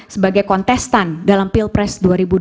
sebagai kontestan dalam pilpres dua ribu dua puluh